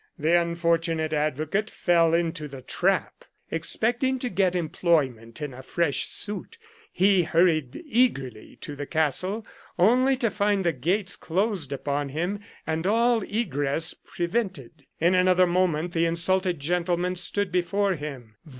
The unfortunate advocate fell into the trap. Expecting to get employment in a fresh suit, he hurried eagerly to the castle, only to find the gates closed upon him and all egress prevented. In another moment the insulted gentleman stood before him.